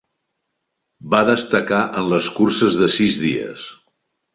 Va destacar en les curses de sis dies.